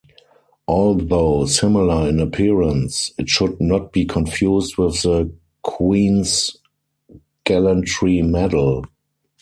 Although similar in appearance, it should not be confused with the Queen's Gallantry Medal.